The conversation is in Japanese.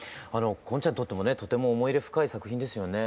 昆ちゃんにとってもねとても思い入れ深い作品ですよね。